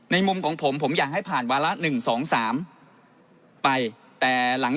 มุมของผมผมอยากให้ผ่านวาระหนึ่งสองสามไปแต่หลัง